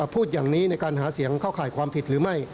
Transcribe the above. พูดอย่างนี้ในการหาเสียงเข้าข่ายความผิดหรือไม่